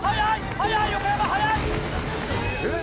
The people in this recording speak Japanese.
速い横山速い！えっ？